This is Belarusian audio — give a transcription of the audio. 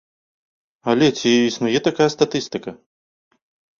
Але ці існуе такая статыстыка?